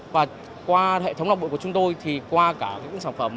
và qua hệ thống lọc bụi của chúng tôi thì qua cả những sản phẩm